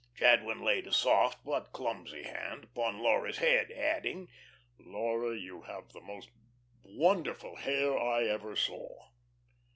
Jadwin laid a soft but clumsy hand upon Laura's head, adding, "Laura, you have the most wonderful hair I ever saw."